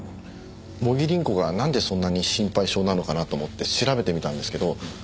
茂木凛子がなんでそんなに心配性なのかなと思って調べてみたんですけど。